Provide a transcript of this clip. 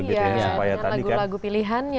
iya dengan lagu lagu pilihannya